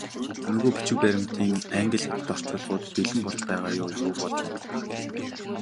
Нөгөө бичиг баримтын англи, хятад орчуулгууд бэлэн болж байгаа юу, юу болж байна?